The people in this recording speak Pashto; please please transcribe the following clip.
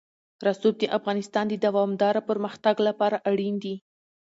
رسوب د افغانستان د دوامداره پرمختګ لپاره اړین دي.